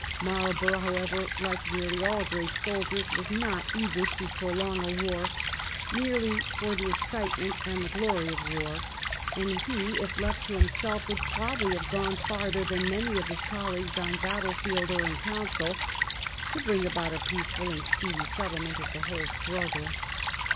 Marlborough, however, like nearly all great soldiers, was not eager to prolong a war merely for the excitement and the glory of war, and he, if left to himself, would probably have gone further than many of his colleagues on battle field or in council to bring about a peaceful and speedy settle ment of the whole struggle.